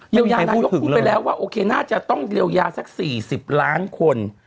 เยียวยานายกพูดไปแล้วว่าโอเคน่าจะต้องเยียวยาสัก๔๐ล้านคน